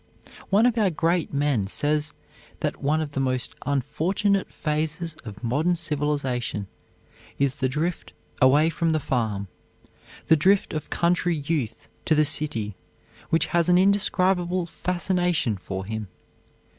One of our great men says that one of the most unfortunate phases of modern civilization is the drift away from the farm, the drift of country youth to the city which has an indescribable fascination for him.